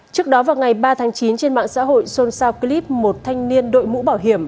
trước đó vào ngày ba tháng chín trên mạng xã hội xôn xao clip một thanh niên đội mũ bảo hiểm